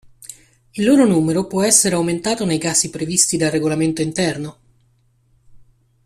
Il loro numero può essere aumentato nei casi previsti dal Regolamento interno.